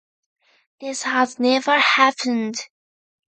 This has never happened.